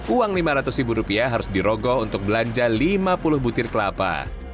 uang lima ratus ribu rupiah harus dirogoh untuk belanja lima puluh butir kelapa